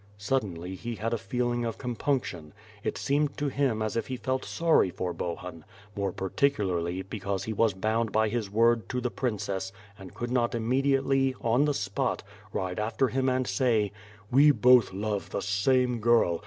Suddenly he had a feeling of compunction. It seemed to him as if he felt sorry for Bohun, more particularly, because he was bound by his word to the princess and could not im mediatel}' — on the spot — ride after him and say: "We both love the same girl!